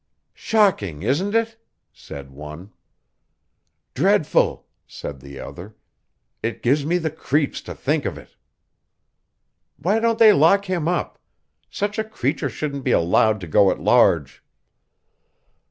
"Shocking, isn't it?" said one. "Dreadful!" said the other. "It gives me the creeps to think of it." "Why don't they lock him up? Such a creature shouldn't be allowed to go at large."